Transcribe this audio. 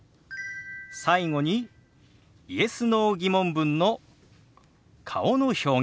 最後にＹｅｓ／Ｎｏ−疑問文の顔の表現。